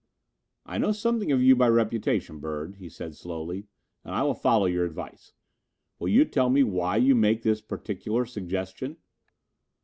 "I know something of you by reputation, Bird," he said slowly, "and I will follow your advice. Will you tell me why you make this particular suggestion?"